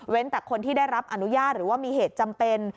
แต่คนที่ได้รับอนุญาตหรือว่ามีเหตุจำเป็น